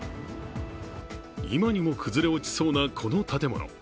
今にも崩れ落ちそうな、この建物。